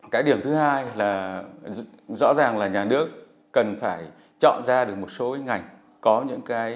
cái điểm thứ hai là rõ ràng là nhà nước cần phải chọn ra được một số ngành có những cái